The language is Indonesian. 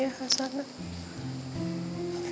ya allah barulah kita mampu